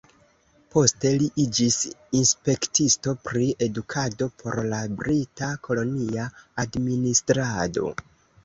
Poste li iĝis inspektisto pri edukado por la brita kolonia administrado.